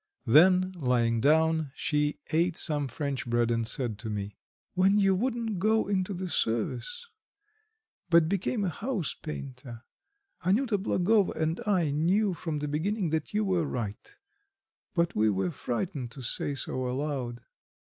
Then, lying down, she ate some French bread and said to me: "When you wouldn't go into the service, but became a house painter, Anyuta Blagovo and I knew from the beginning that you were right, but we were frightened to say so aloud.